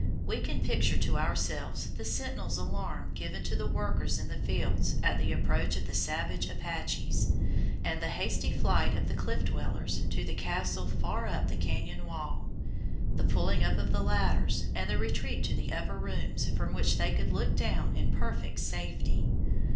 We can picture to ourselves the sentinels' alarm given to the workers in the fields at the approach of the savage Apaches, and the hasty flight of the Cliff Dwellers to the castle far up the cañon wall, the pulling up of the ladders and the retreat to the upper rooms from which they could look down in perfect safety.